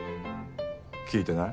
聞いてない。